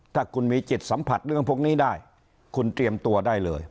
ถ้าคุณมีจิตสัมผัสเรื่องพวกนี้ได้คุณเตรียมตัวได้เลย